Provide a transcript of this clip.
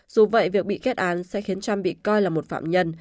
dù vậy việc bị kết án sẽ khiến trump bị coi là một phạm nhân